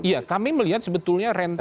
ya kami melihat sebetulnya rentetan